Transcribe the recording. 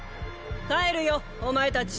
帰るよお前たち。